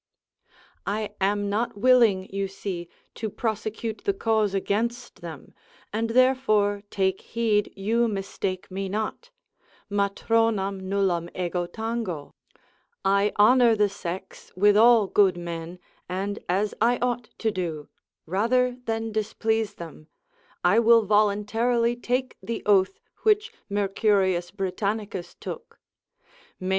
I am not willing, you see, to prosecute the cause against them, and therefore take heed you mistake me not, matronam nullam ego tango, I honour the sex, with all good men, and as I ought to do, rather than displease them, I will voluntarily take the oath which Mercurius Britannicus took, Viragin.